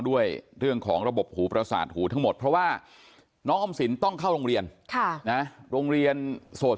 ด้วยเรื่องของระบบหูประสาทหูทั้งหมดเพราะว่าน้องออมสินต้องเข้าโรงเรียนโรงเรียนโสด